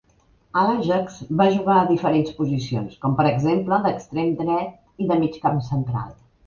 A l"Ajax va jugar a diferents posicions, com per exemple d"extrem dret i de migcamp central.